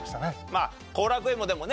まあ後楽園もでもね